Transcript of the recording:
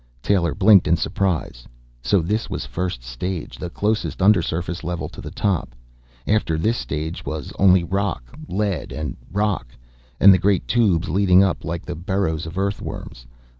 Taylor blinked in surprise. So this was first stage, the closest undersurface level to the top! After this stage there was only rock, lead and rock, and the great tubes leading up like the burrows of earthworms.